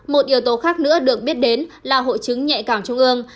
một yếu tố khác nữa được biết đến là hội chứng nhạy cảm trung ương